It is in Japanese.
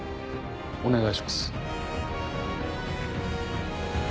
お願いします。